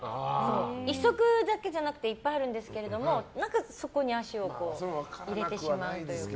１足だけじゃなくていっぱいあるんですけどもそこに足を入れてしまうというか。